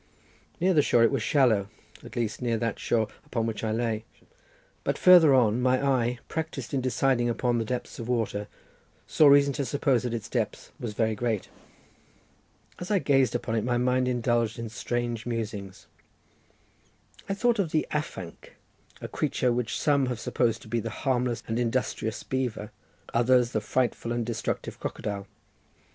Near the shore it was shallow, at least near that shore upon which I lay. But farther on, my eye, practised in deciding upon the depths of waters, saw reason to suppose that its depth was very great. As I gazed upon it my mind indulged in strange musings. I thought of the afanc, a creature which some have supposed to be the harmless and industrious beaver, others the frightful and destructive crocodile.